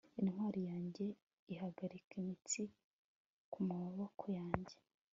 intwari yanjye ihagarika imitsi kumaboko yanjye